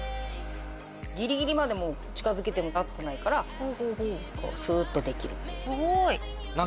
ギリギリまで近づけても熱くないからこうスーッとできるっていう。